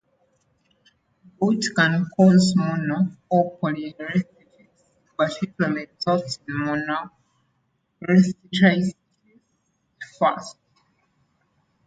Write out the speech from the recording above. Gout can cause mono- or polyarthritis, but usually results in monoarthritis first.